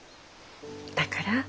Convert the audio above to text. だから。